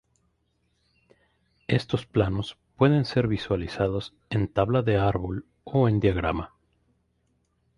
Estos planos pueden ser visualizados en tabla de árbol o en diagrama.